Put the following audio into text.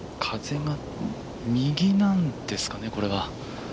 風が右なんですかね、これは。